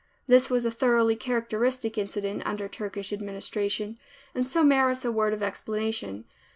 This was a thoroughly characteristic incident, under Turkish administration, and so merits a word of explanation.